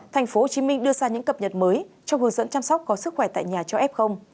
thành phố hồ chí minh đưa ra những cập nhật mới trong hướng dẫn chăm sóc có sức khỏe tại nhà cho f